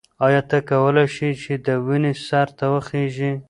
ایا ته کولای شې چې د ونې سر ته وخیژې؟